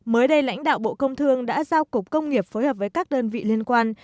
mới đây lãnh đạo bộ công thương đã giao cục công nghiệp phối hợp với các đơn vị liên quan